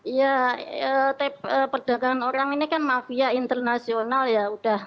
ya perdagangan orang ini kan mafia internasional ya